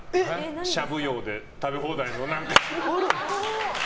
しゃぶ葉で食べ放題の何か。